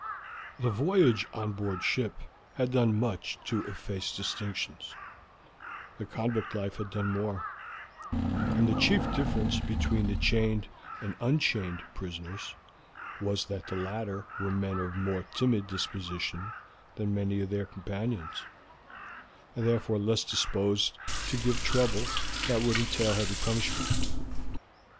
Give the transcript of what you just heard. The voyage on board ship had done much to efface distinctions, the convict life had done more, and the chief difference between the chained and unchained prisoners was that the latter were men of more timid disposition than many of their companions, and therefore less disposed to give trouble that would entail heavy punishment.